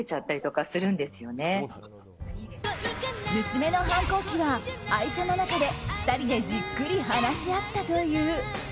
娘の反抗期は愛車の中で２人でじっくり話し合ったという。